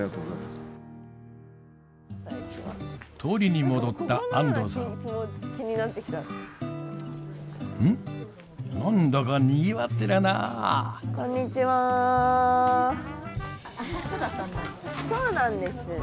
そうなんです。